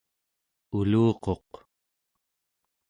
uluquq